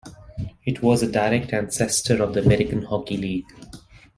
It was a direct ancestor of the American Hockey League.